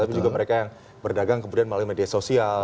tapi juga mereka yang berdagang kemudian melalui media sosial